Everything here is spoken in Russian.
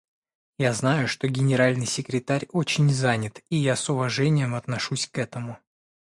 Я знаю, что Генеральный секретарь очень занят, и я с уважением отношусь к этому.